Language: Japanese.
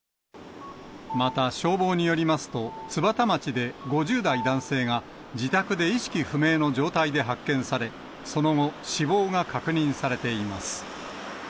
また、消防によりますと、津幡町で５０代男性が、自宅で意識不明の状態で発見され、その後、死亡が確認されています。